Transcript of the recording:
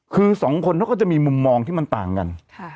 คือสองคนเขาก็จะมีมุมมองที่มันต่างกัน